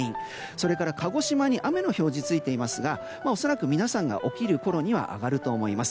それから鹿児島に雨の表示がついていますが恐らく皆さんが起きるころには上がると思います。